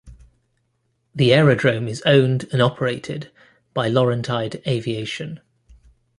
The aerodrome is owned and operated by Laurentide Aviation.